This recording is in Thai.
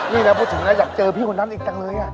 นี่เราพูดถึงนะอยากเจอพี่คนนั้นอีกจังเลย